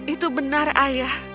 itu benar ayah